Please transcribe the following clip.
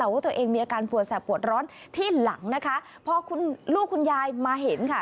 ว่าตัวเองมีอาการปวดแสบปวดร้อนที่หลังนะคะพอคุณลูกคุณยายมาเห็นค่ะ